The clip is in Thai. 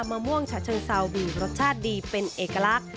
มะม่วงฉะเชิงเซามีรสชาติดีเป็นเอกลักษณ์